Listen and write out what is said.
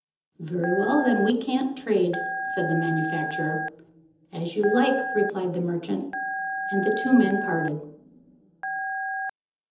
"Very well. Then we can't trade," said the manufacturer. "As you like," replied the merchant. And the two men parted.